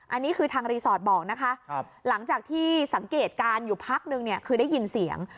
อันนี้คือทางรีสอร์ทบอกนะคะหลังจากที่สังเกตการณ์อยู่พักนึงเนี่ยคือได้ยินเสียง